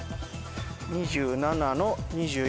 ２７の２４。